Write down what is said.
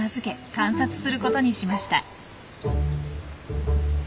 観察することにしました。